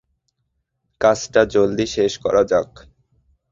কাজটা জলদি শেষ করা যাক।